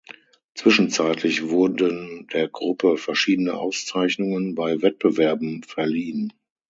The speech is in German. Zwischenzeitlich wurden der Gruppe verschiedene Auszeichnungen bei Wettbewerben verliehen.